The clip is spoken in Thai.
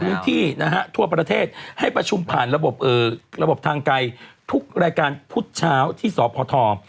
พื้นที่นะฮะทั่วประเทศให้ประชุมผ่านระบบระบบทางไกลทุกรายการพุธเช้าที่สพ